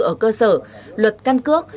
ở cơ sở luật căn cước